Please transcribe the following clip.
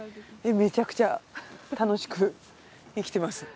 めちゃくちゃ楽しく生きてます。